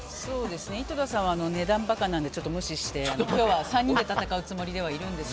井戸田さんは値段バカなので無視して今日は３人で戦うつもりではいるんですが。